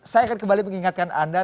saya akan kembali mengingatkan anda